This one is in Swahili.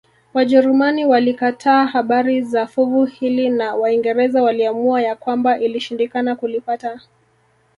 Wajerumani walikataa habari za fuvu hili na Waingereza waliamua ya kwamba ilishindikana kulipata